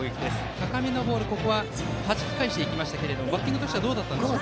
高めのボールをはじき返していきましたがバッティングとしてはどうでしたか。